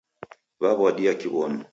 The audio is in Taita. Waw'adia Kiw'onu.